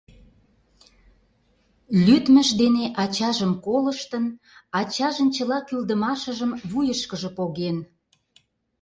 Лӱдмыж дене ачажым колыштын, ачажын чыла кӱлдымашыжым вуйышкыжо поген.